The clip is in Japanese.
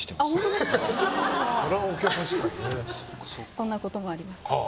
そんなこともあります。